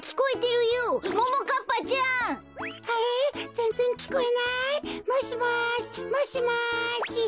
ぜんぜんきこえない。